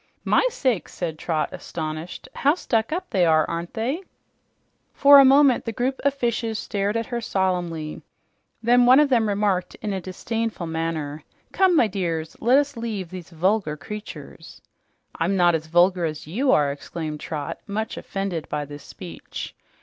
"My sakes!" said Trot, astonished. "How stuck up they are, aren't they?" For a moment the group of fishes stared at her solemnly. Then one of the remarked in a disdainful manner, "Come, my dear, let us leave these vulgar creatures." "I'm not as vulgar as you are!" exclaimed Trot, much offended by this speech.